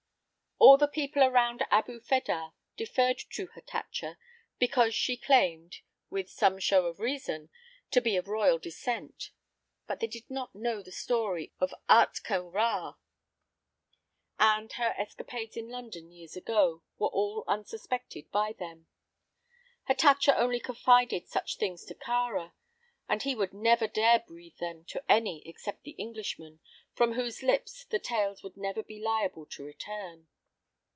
All the people around Abu Fedah deferred to Hatatcha, because she claimed, with some show of reason, to be of royal descent. But they did not know the story of Ahtka Rā, and her escapades in London years ago were all unsuspected by them. Hatatcha only confided such things to Kāra, and he would never dare breathe them to any except the Englishman, from whose lips the tales would never be liable to return.